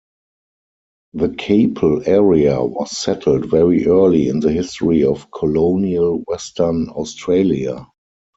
The Capel area was settled very early in the history of colonial Western Australia.